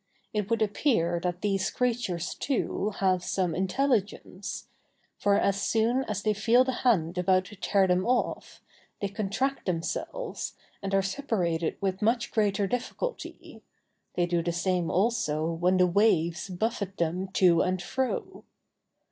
It would appear that these creatures, too, have some intelligence; for as soon as they feel the hand about to tear them off, they contract themselves, and are separated with much greater difficulty: they do the same also when the waves buffet them to and fro.